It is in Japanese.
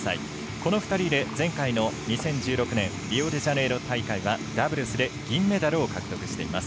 この２人で、前回の２０１６年リオデジャネイロ大会はダブルスで銀メダルを獲得しています。